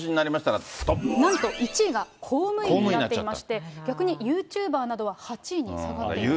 なんと１位が公務員になっていまして、逆にＹｏｕＴｕｂｅｒなどは８位に下がっています。